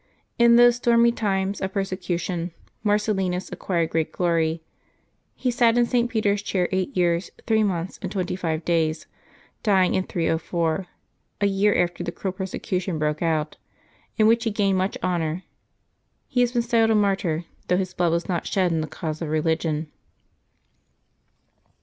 In those stormy times of persecution Marcellinus acquired great glory. He sat in St. Peter's chair eight years, three months, and twenty five days, dying in 304, a year after the cruel persecution broke out, in which he gained much honor. He has been styled a martyr, though his blood was not shed in the cause of religion.